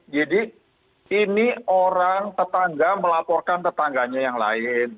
jadi ini orang tetangga melaporkan tetangganya yang lain